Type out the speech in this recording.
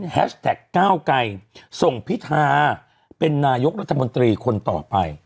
แฮชแท็ก๙ไก่ส่งพิทาเป็นนายกรัฐมนตรีคนต่อไป